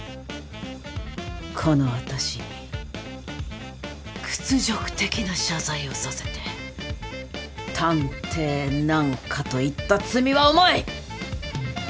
この私に屈辱的な謝罪をさせて「探偵なんか」と言った罪は重い！